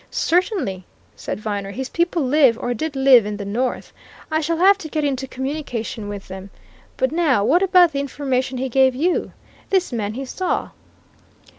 "Certainly!" said Viner. "His people live, or did live, in the north. I shall have to get into communication with them. But now what about the information he gave you? This man he saw?"